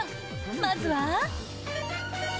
まずは。